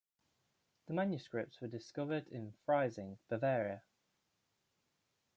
The manuscripts were discovered in Freising, Bavaria.